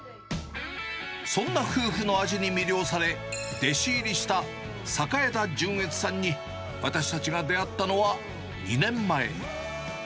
そんな夫婦の味に魅了され、弟子入りした榮田潤悦さんに、私たちが出会ったのは２年前。